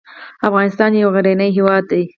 افغانستان يو غرنی هېواد دی